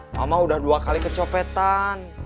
mama udah dua kali kecopetan